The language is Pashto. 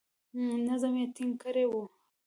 نظم یې ټینګ کړی وو.